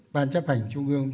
ban chấp hành trung ương